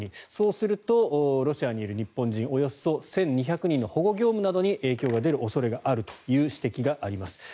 そうするとロシアにいる日本人１２００人に保護業務などに影響が出る恐れがあるという指摘があります。